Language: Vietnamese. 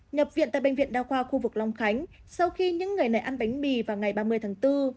nhập viện tại bệnh viện đa khoa khu vực long khánh sau khi những người này ăn bánh mì vào ngày ba mươi tháng bốn